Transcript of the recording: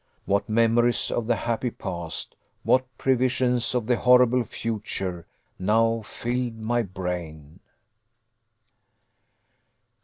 What memories of the happy past, what previsions of the horrible future, now filled my brain!